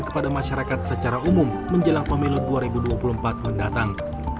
kepada masyarakat secara umum menjelang pemilu dua ribu dua puluh empat mendatang